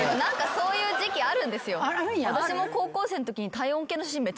そういう時期があるんです。